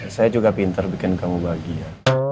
saya juga pintar bikin kamu bahagia